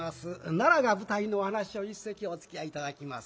奈良が舞台のお噺を一席おつきあい頂きます。